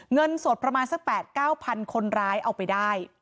เงินสดประมาณสัก๘๙๐๐คนร้ายเอาไปได้